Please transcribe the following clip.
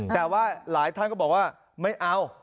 แต่ว่าหลายท่านก็บอกว่าไม่เอา